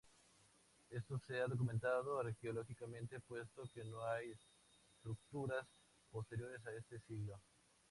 Esto se ha documentado arqueológicamente, puesto que no hay estructuras posteriores a este siglo.